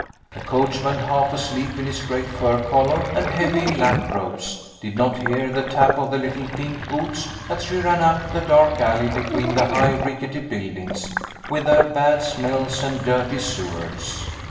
The coachman, half asleep in his great fur collar and heavy lap robes, did not hear the tap of the little pink boots, as she ran up the dark alley between the high, rickety buildings, with their bad smells and dirty sewers.